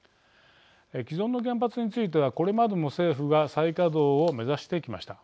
既存の原発についてはこれまでも政府が再稼働を目指してきました。